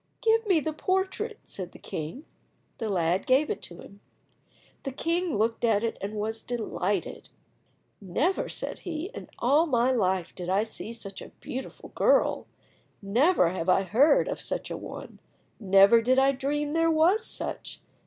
"Give me the portrait," said the king. The lad gave it to him. The king looked at it and was delighted. "Never," said he, "in all my life did I see such a beautiful girl, never have I heard of such a one, never did I dream there was such.